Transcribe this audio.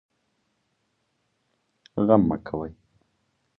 غم مه کوئ